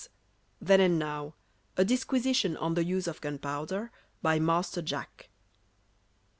THEN AND NOW. (_A disquisition on the use of gunpowder, by Master Jack.